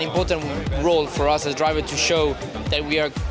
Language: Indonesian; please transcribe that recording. ini adalah peran penting bagi kami sebagai pembalap